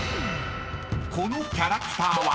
［このキャラクターは？］